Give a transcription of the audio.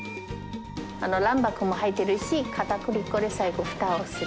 卵白も入っているし、かたくり粉で最後ふたをする。